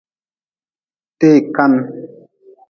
Tee kan.